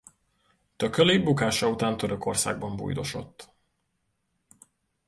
Thököly bukása után Törökországban bujdosott.